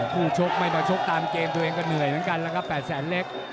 ชกไม่มาชกตามเกมตัวเองก็เหนื่อยเหมือนกันแล้วครับ๘แสนเล็ก